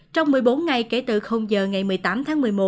trong một mươi bốn ngày kể từ giờ ngày một mươi tám tháng một mươi một